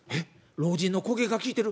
老人の攻撃が効いてる！